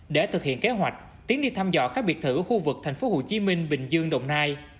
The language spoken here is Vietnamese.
để thực hiện kế hoạch tiến đi thăm dõi các biệt thự ở khu vực thành phố hồ chí minh bình dương đồng nai